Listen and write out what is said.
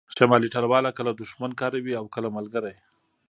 شمالي ټلواله کله دوښمن کاروي او کله ملګری